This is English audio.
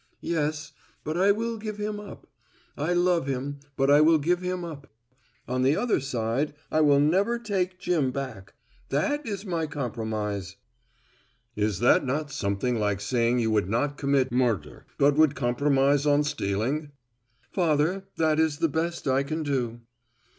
"Yes, but I will give him up. I love him, but I will give him up. On the other side, I will never take Jim back. That is my compromise." "Is that not something like saying you would not commit murder, but would compromise on stealing?" "Father, that is the best I can do."